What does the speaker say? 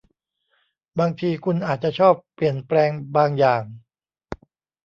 บางทีคุณอาจจะชอบเปลี่ยนแปลงบางอย่าง